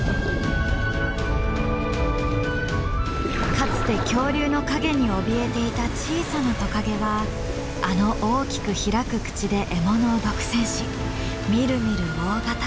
かつて恐竜の影におびえていた小さなトカゲはあの大きく開く口で獲物を独占しみるみる大型化。